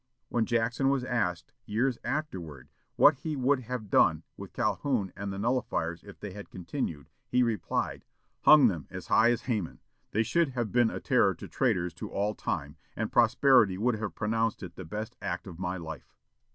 When Jackson was asked, years afterward, what he would have done with Calhoun and the nullifiers if they had continued, he replied, "Hung them as high as Haman. They should have been a terror to traitors to all time, and posterity would have pronounced it the best act of my life."